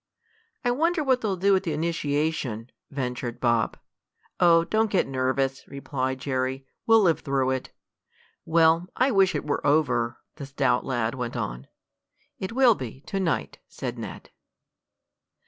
"I wonder what they'll do at the initiation?" ventured Bob. "Oh, don't get nervous," replied Jerry. "We'll live through it." "Well, I wish it were over," the stout lad went on. "It will be, to night," said Ned.